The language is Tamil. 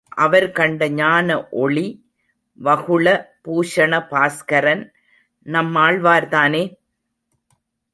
அவர் கண்ட ஞானஒளி, வகுள பூஷண பாஸ்கரன் நம்மாழ்வார்தானே?